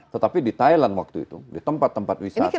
tetapi di thailand waktu itu di tempat tempat wisata